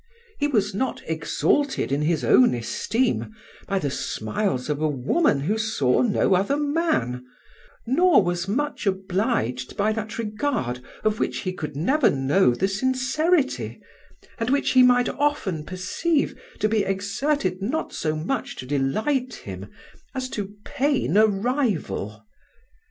He was not exalted in his own esteem by the smiles of a woman who saw no other man, nor was much obliged by that regard of which he could never know the sincerity, and which he might often perceive to be exerted not so much to delight him as to pain a rival.